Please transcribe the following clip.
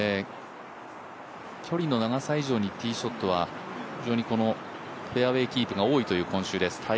距離の長さ以上にティーショットは非常にフェアウエーキープが多いという今週です。